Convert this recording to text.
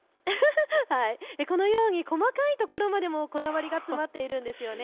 このように細かいところまでこだわりが詰まっているんです。